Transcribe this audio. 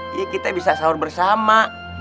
kita bisa sahur bersama